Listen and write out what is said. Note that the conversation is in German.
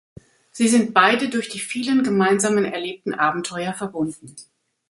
Sie sind beide durch die vielen gemeinsam erlebten Abenteuer verbunden.